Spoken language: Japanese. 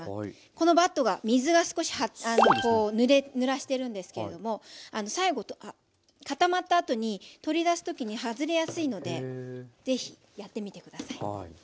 このバットが水が少しこうぬらしてるんですけれども最後固まったあとに取り出す時に外れやすいのでぜひやってみて下さい。